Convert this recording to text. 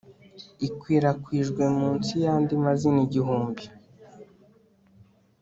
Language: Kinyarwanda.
Ikwirakwijwe munsi yandi mazina igihumbi